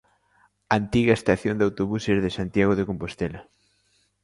Antiga estación de autobuses de Santiago de Compostela.